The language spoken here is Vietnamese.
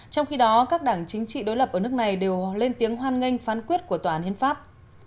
trong khi đó các đảng chính trị đối lập ở nước này đều lên tiếng hoan nghênh phán quyết của tòa án hiến pháp